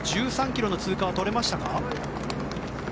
１３ｋｍの通過は取れましたか？